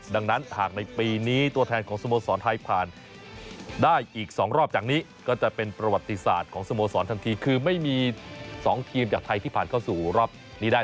ดังนั้นหากในปีนี้ตัวแทนของสโมสรไทยผ่านได้อีก๒รอบจากนี้ก็จะเป็นประวัติศาสตร์ของสโมสรทันทีคือไม่มี๒ทีมจากไทยที่ผ่านเข้าสู่รอบนี้ได้